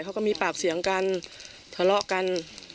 เขาก็มีปากเสียงกันทะเลาะกัน